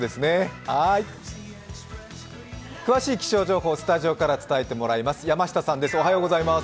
詳しい気象情報をスタジオから伝えてもらいます。